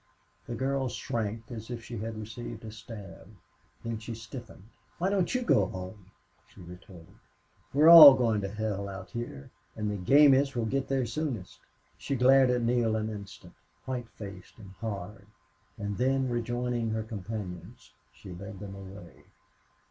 The girl shrank as if she had received a stab. Then she stiffened. "Why don't you go home?" she retorted. "We're all going to hell out here, and the gamest will get there soonest." She glared at Neale an instant, white faced and hard, and then, rejoining her companions, she led them away.